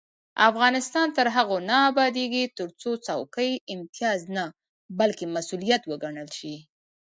افغانستان تر هغو نه ابادیږي، ترڅو څوکۍ امتیاز نه بلکې مسؤلیت وګڼل شي.